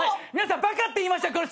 皆さんバカって言いました